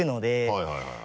はいはいはい。